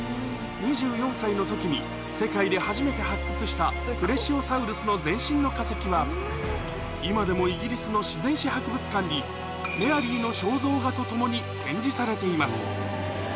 ２４歳の時に世界で初めて発掘したは今でもイギリスの自然史博物館にメアリーの肖像画とともに展示されています